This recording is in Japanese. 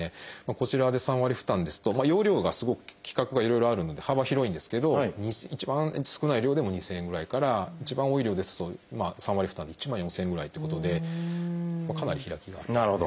こちらで３割負担ですと用量が規格がいろいろあるので幅広いんですけど一番少ない量でも２，０００円ぐらいから一番多い量ですと３割負担で１万４，０００円ぐらいということでかなり開きがありますね。